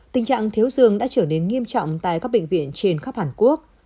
tình trạng thiếu dương đã trở nên nghiêm trọng tại các bệnh viện trên khắp hàn quốc